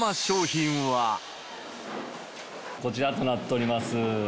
こちらとなっております。